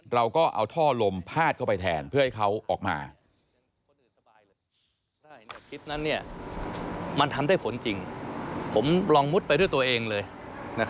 เราก็เอาท่อลมพาดเข้าไปแทน